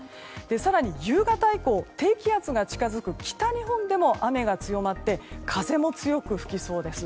更に夕方以降低気圧が近づく北日本でも雨が強まって風も強く吹きそうです。